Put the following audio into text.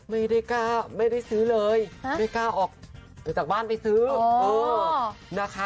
ไม่ได้กล้าไม่ได้ซื้อเลยไม่กล้าออกอยู่จากว่าลมดู